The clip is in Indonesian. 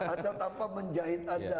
atau tanpa menjahit anda